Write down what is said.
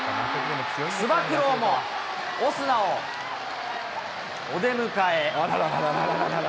つば九郎も、オスナをお出迎え。